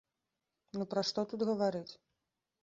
Ну пра што тут гаварыць.